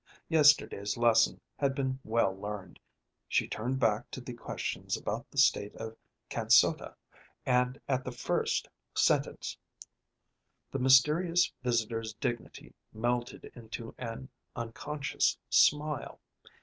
Yesterday's lesson had been well learned; she turned back to the questions about the State of Kansota, and at the first sentence the mysterious visitor's dignity melted into an unconscious smile.